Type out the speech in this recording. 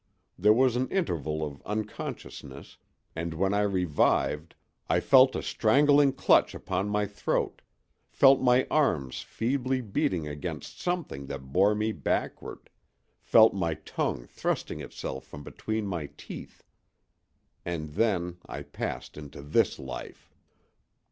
There was an interval of unconsciousness, and when I revived I felt a strangling clutch upon my throat—felt my arms feebly beating against something that bore me backward—felt my tongue thrusting itself from between my teeth! And then I passed into this life.